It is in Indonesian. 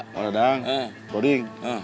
boleh dong koding